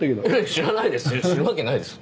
知らないです知るわけないです。